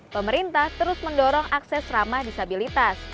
pemerintah terus mendorong akses ramah disabilitas